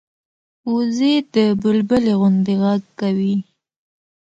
وزې د بلبلي غوندې غږ کوي